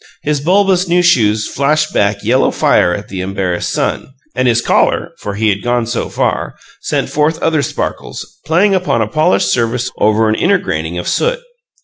His bulbous new shoes flashed back yellow fire at the embarrassed sun, and his collar (for he had gone so far) sent forth other sparkles, playing upon a polished surface over an inner graining of soot.